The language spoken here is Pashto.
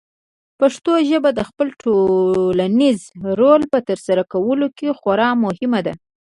پښتو ژبه د خپل ټولنیز رول په ترسره کولو کې خورا مهمه ده.